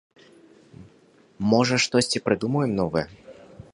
Можа штосьці прыдумаем новае.